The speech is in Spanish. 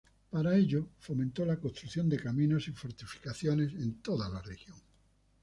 Para ello fomentó la construcción de caminos y fortificaciones en toda la región.